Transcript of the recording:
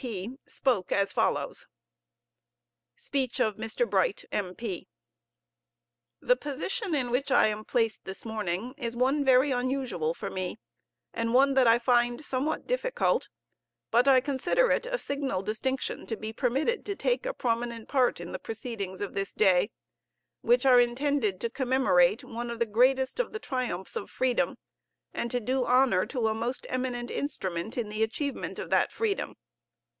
P. spoke as follows: SPEECH OF MR. BRIGHT, M.P. The position in which I am placed this morning is one very unusual for me, and one that I find somewhat difficult; but I consider it a signal distinction to be permitted to take a prominent part in the proceedings of this day, which are intended to commemorate one of the greatest of the great triumphs of freedom, and to do honor to a most eminent instrument in the achievement of that freedom.